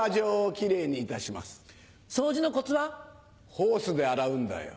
ホースで洗うんだよ。